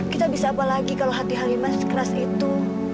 kita bisa apa lagi kalau hati halimah sekeras itu